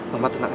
mama tenang ya